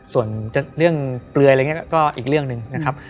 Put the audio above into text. ส่วนเรื่องเปลือยอะไรก็อีกเรื่องนึงนะครับ